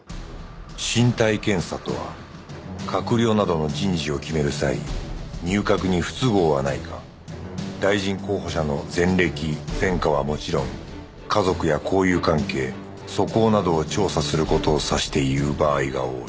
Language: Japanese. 身体検査とは閣僚などの人事を決める際入閣に不都合はないか大臣候補者の前歴前科はもちろん家族や交友関係素行などを調査する事を指して言う場合が多い